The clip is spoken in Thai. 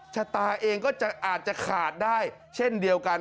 ชะตาเองก็อาจจะขาดได้เช่นเดียวกัน